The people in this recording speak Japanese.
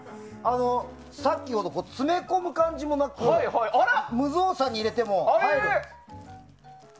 さっきの詰め込む感じもなく無造作に入れても。